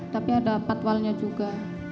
tapi ada patwalnya juga